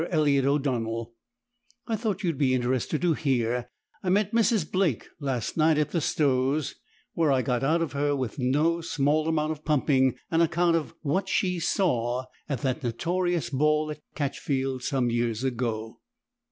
ELLIOTT O'DONNELL, I thought you would be interested to hear I met Mrs. Blake last night at the Stowes, where I got out of her with no small amount of pumping an account of "what she saw" at that notorious ball at Catchfield some years ago.